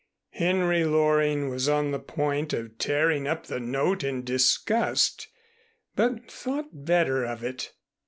Henry Loring was on the point of tearing up the note in disgust but thought better of it.